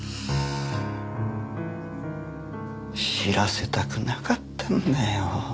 知らせたくなかったんだよ。